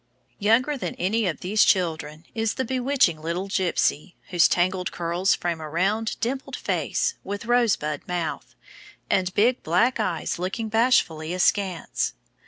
Younger than any of these children is the bewitching little gypsy, whose tangled curls frame a round, dimpled face, with rosebud mouth, and big black eyes looking bashfully askance.